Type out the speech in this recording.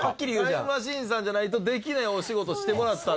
タイムマシーンさんじゃないとできないお仕事してもらったんです。